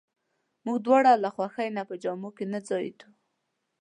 موږ دواړه له خوښۍ نه په جامو کې نه ځایېدو.